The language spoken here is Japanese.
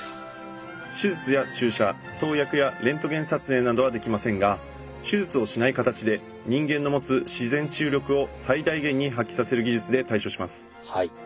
手術や注射投薬やレントゲン撮影などはできませんが手術をしない形で人間の持つ自然治癒力を最大限に発揮させる技術で対処します。